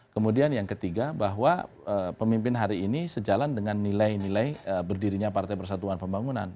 kemudian yang ketiga bahwa pemimpin hari ini sejalan dengan nilai nilai berdirinya partai persatuan pembangunan